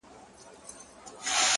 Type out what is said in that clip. هغې بېگاه زما د غزل کتاب ته اور واچوه ـ